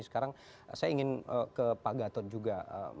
sekarang saya ingin ke pak gatot juga